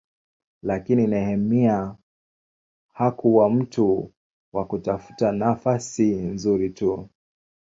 Lakini Nehemia hakuwa mtu wa kutafuta nafasi nzuri tu.